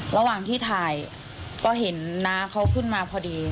ระหว่างที่ถ่ายก็เห็นน้าเขาขึ้นมาพอดี